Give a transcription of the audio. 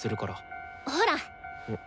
ほら。